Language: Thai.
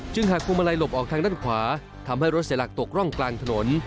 หากพวงมาลัยหลบออกทางด้านขวาทำให้รถเสียหลักตกร่องกลางถนน